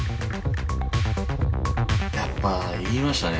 やっぱ言いましたね